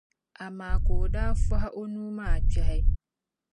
Amaa ka o daa fɔh’ o nuu maa kpɛhi.